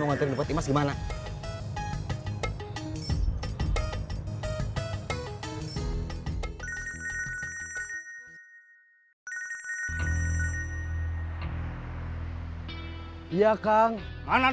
bukan kayaknya kang